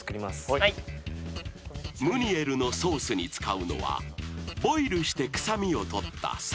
［ムニエルのソースに使うのはボイルして臭みを取ったサザエの肝］